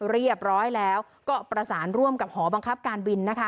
เรียบร้อยแล้วก็ประสานร่วมกับหอบังคับการบินนะคะ